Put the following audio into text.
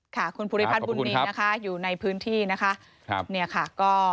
ค่ะคุณผู้ริพัฒน์บุญนี้นะคะอยู่ในพื้นที่นะคะ